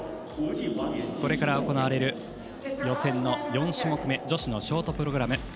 これから行われる予選の４種目め女子のショートプログラム。